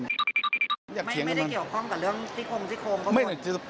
ไม่ได้เกี่ยวข้องกับเรื่องที่โครง